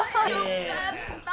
よかったわ。